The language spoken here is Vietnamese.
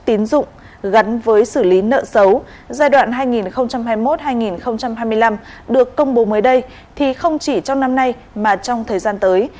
tín dụng gắn với xử lý nợ xấu giai đoạn hai nghìn hai mươi một hai nghìn hai mươi năm được công bố mới đây thì không chỉ trong năm nay mà trong thời gian tới